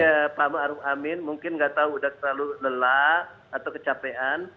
terus terang aja pak amaruf amin mungkin gak tahu udah terlalu lelah atau kecapean